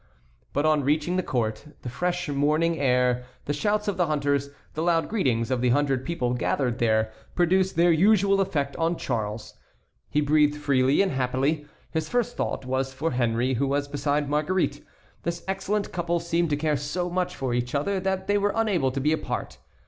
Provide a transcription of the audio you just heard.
But on reaching the court the fresh morning air, the shouts of the hunters, the loud greetings of the hundred people gathered there, produced their usual effect on Charles. He breathed freely and happily. His first thought was for Henry, who was beside Marguerite. This excellent couple seemed to care so much for each other that they were unable to be apart.